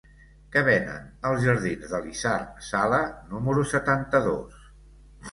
Què venen als jardins d'Elisard Sala número setanta-dos?